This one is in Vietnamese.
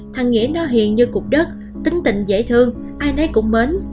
thành nghĩa nó hiền như cục đất tính tình dễ thương ai nấy cũng mến